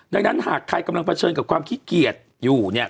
ดังนั้นหากใครกำลังเผชิญกับความขี้เกียจอยู่เนี่ย